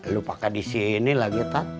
lu pake disini lagi tat